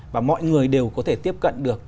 và mọi người đều có thể tiếp cận được